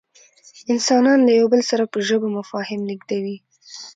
انسانان له یو بل سره په ژبه مفاهیم لېږدوي.